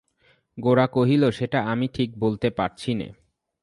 গোরা কহিল, সেটা আমি ঠিক বলতে পারছি নে।